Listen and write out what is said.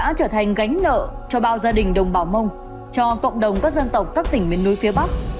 đã trở thành gánh nợ cho bao gia đình đồng bào mông cho cộng đồng các dân tộc các tỉnh miền núi phía bắc